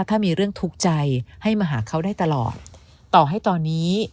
ถ้ามีเรื่องทุกข์ใจให้มาหาเขาได้ตลอดต่อให้ตอนนี้